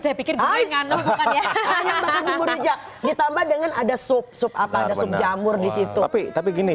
saya pikir hai nganeh ya ditambah dengan ada sup sup apa yang jamur di situ tapi tapi gini